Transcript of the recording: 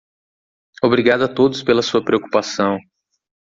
Obrigado a todos pela sua preocupação.